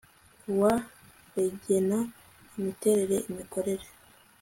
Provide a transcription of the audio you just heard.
kuwa regena imiterere imikorere